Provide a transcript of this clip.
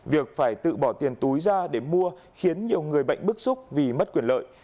việc phải tự bỏ tiền túi ra để mua khiến nhiều người bệnh bức xúc vì mất quyền lợi